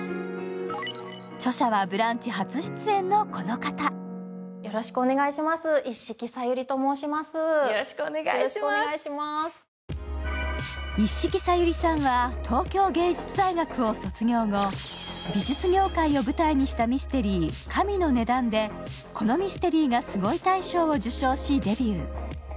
著者は、「ブランチ」初出演のこの方一色さゆりさんは東京芸術大学を卒業後、美術業界を舞台にしたミステリー「神の値段」でこの「ミステリーがすごい大賞」を受賞してデビュー。